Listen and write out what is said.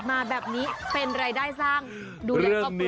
ดูแลกก็ปลอดภัย